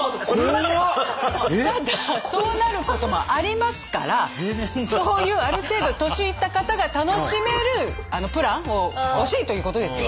ただそうなることもありますからそういうある程度年いった方が楽しめるプランを欲しいということですよ。